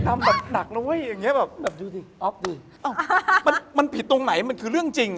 มันผิดตรงไหนมันคือเรื่องจริง